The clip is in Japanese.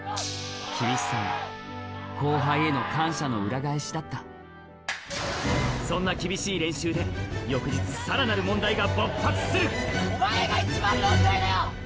厳しさも後輩への感謝の裏返しだったそんな厳しい練習で翌日さらなる問題が勃発するお前が一番問題だよ！